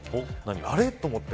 あれっと思って。